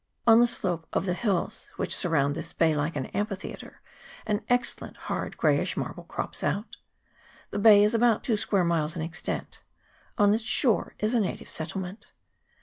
On the slope of the hills, which surround this bay like an amphitheatre, an excellent hard greyish marble crops out. The bay is about two square miles in extent. On its shore is a native settlement.